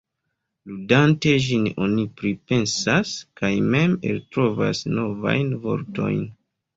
Ludante ĝin oni pripensas kaj mem eltrovas novajn vortojn.